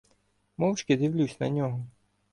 Мовчки дивлюся на нього.